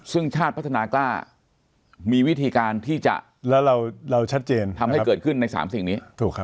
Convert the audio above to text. ซึ่งชาติพัฒนากล้ามีวิธีการที่จะทำให้เกิดขึ้นในสามสิ่งนี้